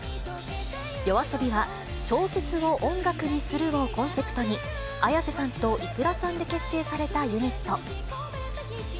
ＹＯＡＳＯＢＩは、小説を音楽にするをコンセプトに、Ａｙａｓｅさんとｉｋｕｒａさんで結成されたユニット。